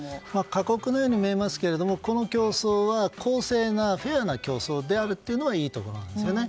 過酷のように見えますがこの競争は公正なフェアな競争であるというのがいいと思うんですよね。